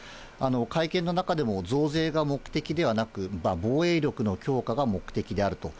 会見の中でも、増税が目的ではなく、防衛力の強化が目的であると。